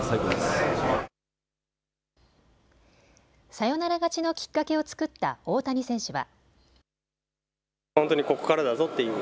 サヨナラ勝ちのきっかけを作った大谷選手は。